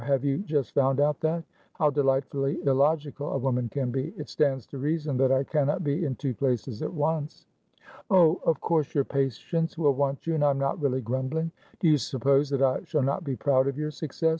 have you just found out that? How delightfully illogical a woman can be! It stands to reason that I cannot be in two places at once." "Oh, of course your patients will want you, and I am not really grumbling. Do you suppose that I shall not be proud of your success?